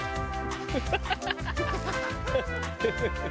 ハハハハ！